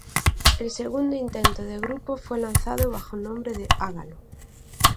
El segundo intento de grupo fue lanzado bajo el nombre de "Hágalo".